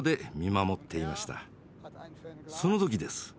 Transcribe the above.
その時です。